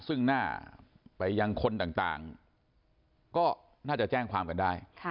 ซึ่งหน้าไปยังคนต่างก็น่าจะแจ้งความกันได้